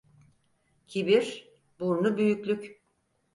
Kibir, burnu büyüklük.